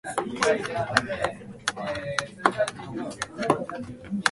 He is also Chairman of the Trade Policy Panel of the British Bankers Association.